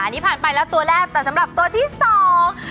อันนี้ผ่านไปแล้วตัวแรกแต่สำหรับตัวที่สอง